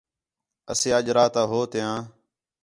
اسے اج راتا ہوتیاں